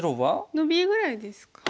ノビぐらいですか。